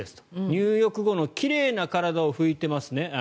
入浴後の奇麗な体を拭いていますね。